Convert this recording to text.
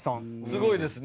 すごいですね。